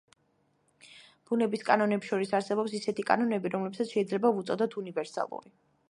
ბუნების კანონებს შორის არსებობს ისეთი კანონები, რომლებსაც შეიძლება ვუწოდოთ უნივერსალური.